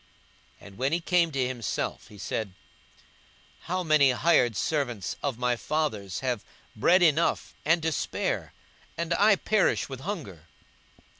42:015:017 And when he came to himself, he said, How many hired servants of my father's have bread enough and to spare, and I perish with hunger!